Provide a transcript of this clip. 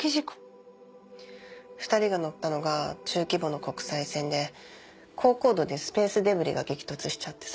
２人が乗ったのが中規模の国際線で高高度でスペースデブリが激突しちゃってさ。